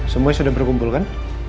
semua sudah berkumpul kan